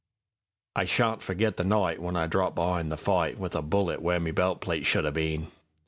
I sha'n't forgit the nightWhen I dropped be'ind the fightWith a bullet where my belt plate should 'a' been.